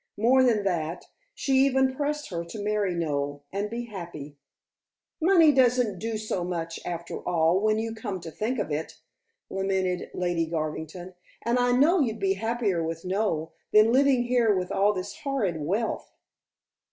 More than that, she even pressed her to marry Noel, and be happy. "Money doesn't do so much, after all, when you come to think of it," lamented Lady Garvington. "And I know you'd be happier with Noel, than living here with all this horrid wealth."